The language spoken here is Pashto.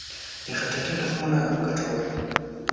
د خټکي تخمونه هم ګټور دي.